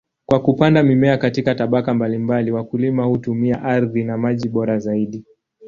Kwa kupanda mimea katika tabaka mbalimbali, wakulima hutumia ardhi na maji bora zaidi.